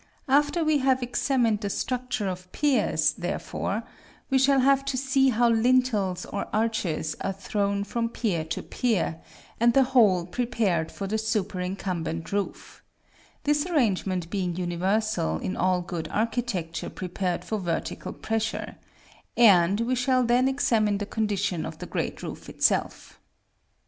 After we have examined the structure of piers, therefore, we shall have to see how lintels or arches are thrown from pier to pier, and the whole prepared for the superincumbent roof; this arrangement being universal in all good architecture prepared for vertical pressures: and we shall then examine the condition of the great roof itself.